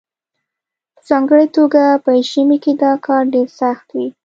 په ځانګړې توګه په ژمي کې دا کار ډیر سخت وي